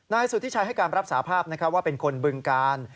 สุธิชัยให้การรับสาภาพว่าเป็นคนบึงการ